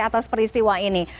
atas peristiwa ini